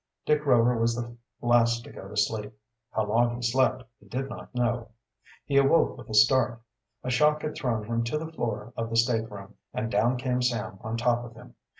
Dick Rover was the last to go to sleep. How long he slept he did not know. He awoke with a start. A shock had thrown him to the floor of the stateroom, and down came Sam on top of him.